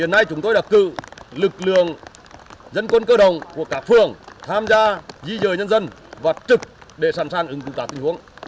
hiện nay chúng tôi đã cử lực lượng dân quân cơ đồng của các phường tham gia di dời nhân dân và trực để sẵn sàng ứng phục vụ các tình huống